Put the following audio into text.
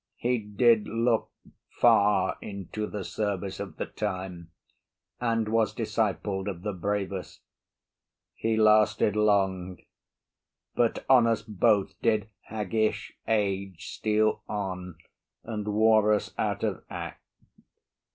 He did look far Into the service of the time, and was Discipled of the bravest. He lasted long, But on us both did haggish age steal on, And wore us out of act.